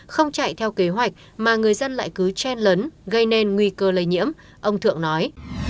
không chạy theo kế hoạch mà người dân lại cứ chen lấn gây nên nguy cơ lây nhiễm ông thượng nói